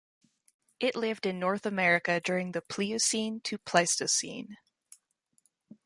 It lived in North America during the Pliocene to Pleistocene.